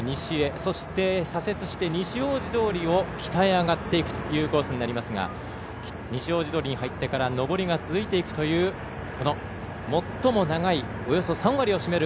そして左折して西大路通を北へ上がっていくというコースになりますが西大路通に入ってから上りが続いていくという最も長いおよそ３割を占める